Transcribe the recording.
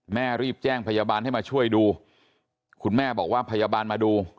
รีบแจ้งพยาบาลให้มาช่วยดูคุณแม่บอกว่าพยาบาลมาดู